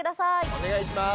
お願いします